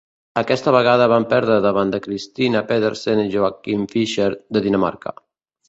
Aquesta vegada van perdre davant de Christinna Pedersen i Joachim Fischer, de Dinamarca.